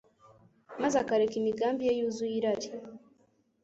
maze akareka imigambi ye yuzuye irari.